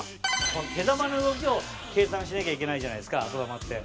この手球の動きを計算しなきゃいけないじゃないですか後球って。